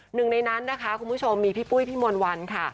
หนึ่งในนั้นนะคะคุณผู้ชมมีพี่ปุ้ยพี่มนต์วันค่ะ